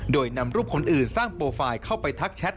โดยนำรูปคนอื่นสร้างโปรไฟล์เข้าไปทักแชท